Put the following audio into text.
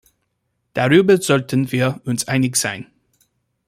Darüber sollten wir uns einig sein.